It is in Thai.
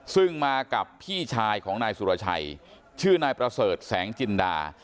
ซึ่งมากับพี่ชายของนายสุรชัยชื่อนายประเสริฐแสงจินดา